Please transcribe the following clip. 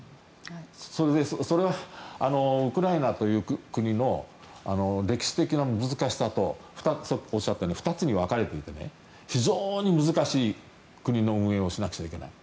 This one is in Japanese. それで、それがウクライナという国の歴史的な難しさとおっしゃったように２つに分かれていて非常に難しい国の運営をしなくちゃいけない。